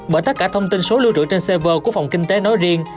bởi tất cả thông tin số lưu trữ trên server của phòng kinh tế nói riêng